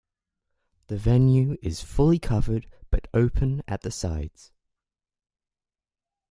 The venue is fully covered but is open at the sides.